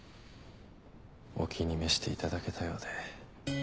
お気に召していただけたようで。